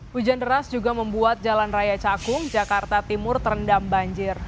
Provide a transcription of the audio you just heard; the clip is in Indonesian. hujan deras juga membuat jalan raya cakung jakarta timur terendam banjir